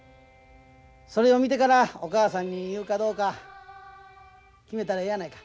それを見てからお母さんに言うかどうか決めたらええやないか。